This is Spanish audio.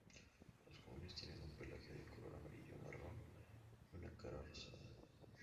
Los jóvenes tienen un pelaje de color amarillo-marrón y una cara rosada.